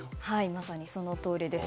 まさにそのとおりです。